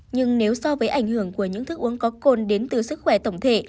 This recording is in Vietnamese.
nhưng nếu so với ảnh hưởng của những thức uống có cồn đến từ sức khỏe tổng thể